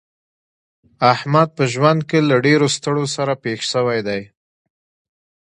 احمد په ژوند کې له ډېرو ستړو سره پېښ شوی دی.